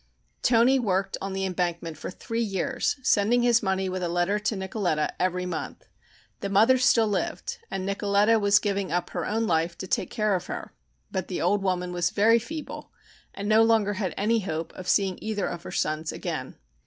Toni worked on the embankment for three years, sending his money with a letter to Nicoletta every month. The mother still lived and Nicoletta was giving up her own life to take care of her, but the old woman was very feeble and no longer had any hope of seeing either of her sons again.